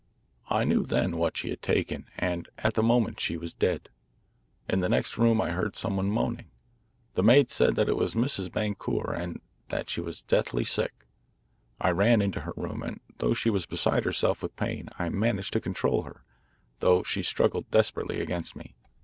I knew then what she had taken, and at the moment she was dead. In the next room I heard some one moaning. The maid said that it was Mrs. Boncour, and that she was deathly sick. I ran into her room, and though she was beside herself with pain I managed to control her, though she struggled desperately against me.